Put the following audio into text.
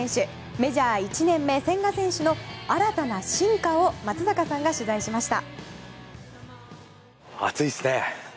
メジャー１年目千賀選手の新たな進化を松坂さんが取材しました。